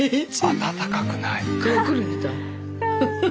温かくない。